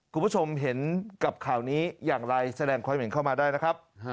คุณผู้ชมเห็นกับข่าวนี้อย่างไรแสดงความเห็นเข้ามาได้นะครับ